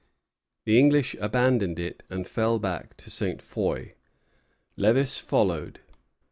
The English abandoned it and fell back to Ste. Foy. Lévis followed.